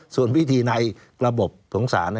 ส่วนวิธีในระบบสงสาร